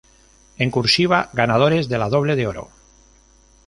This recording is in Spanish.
En Cursiva ganadores de la Doble de Oro.